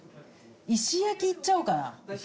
石焼いっちゃおうかな